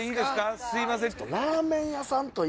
すみません